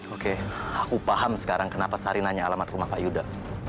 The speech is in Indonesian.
oke aku paham sekarang kenapa sari nanya alamat rumah pak yuda